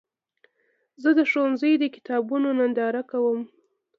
زه د ښوونځي د کتابونو ننداره کوم.